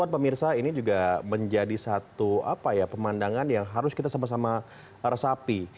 pemirsa ini juga menjadi satu pemandangan yang harus kita sama sama resapi